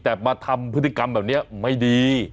แต่มาทำพฤติกรรมแบบนี้ไม่ดี